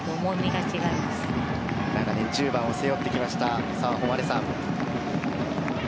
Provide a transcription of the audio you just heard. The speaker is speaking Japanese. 長年１０番を背負ってきました澤穂希さん。